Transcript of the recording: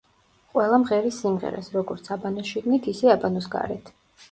ყველა მღერის სიმღერას „როგორც აბანოს შიგნით, ისე აბანოს გარეთ“.